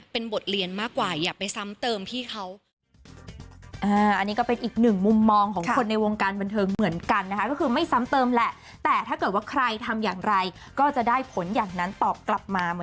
เป็นบทเรียนมากกว่าอย่าไปซ้ำเติมพี่เขา